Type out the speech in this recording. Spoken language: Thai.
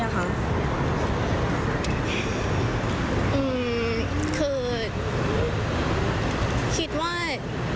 คือคิดว่า